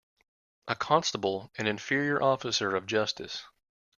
A constable an inferior officer of justice.